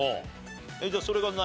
じゃあそれが何？